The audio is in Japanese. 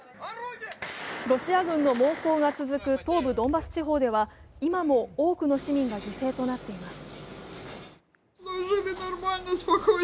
ロシア軍の猛攻が続く東部ドンバス地方では今も多くの市民が犠牲となっています。